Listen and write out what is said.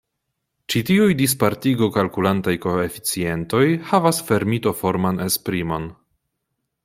Ĉi tiuj dispartigo-kalkulantaj koeficientoj havas fermito-forman esprimon.